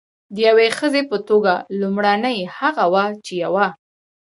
د یوې ښځې په توګه لومړنۍ هغه وه چې یوه.